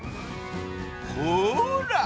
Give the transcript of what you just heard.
ほら。